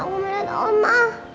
aku melihat mama